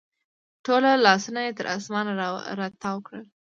ټوله لاسونه یې تر اسمان راتاو کړل